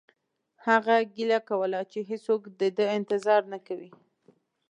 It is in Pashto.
هغه ګیله کوله چې هیڅوک د ده انتظار نه کوي